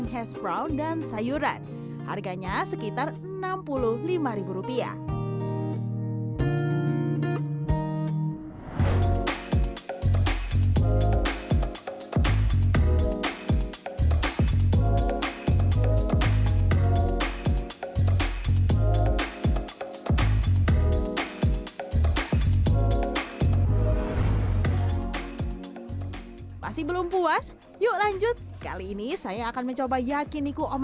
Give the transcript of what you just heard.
hash brown nya pakai saus mentai